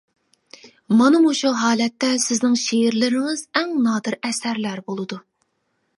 مانا مۇشۇ ھالەتتە سىزنىڭ شېئىرلىرىڭىز ئەڭ نادىر ئەسەرلەر بولىدۇ.